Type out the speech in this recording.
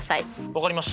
分かりました。